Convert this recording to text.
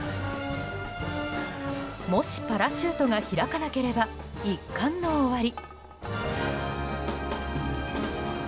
もしパラシュートが開かなければ一巻の終わり。